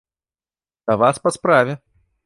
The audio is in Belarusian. Да вас па справе!